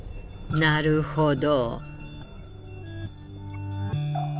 なるほど。